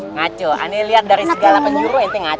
ngaco ini lihat dari segala penjuru ini ngaco